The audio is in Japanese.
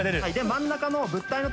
真ん中の。